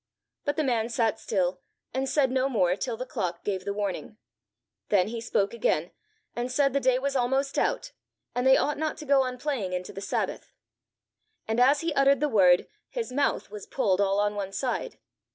But the man sat still, and said no more till the clock gave the warning. Then he spoke again, and said the day was almost out, and they ought not to go on playing into the Sabbath. And as he uttered the word, his mouth was pulled all on one side.